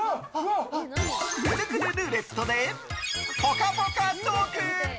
くるくるルーレットでぽかぽかトーク。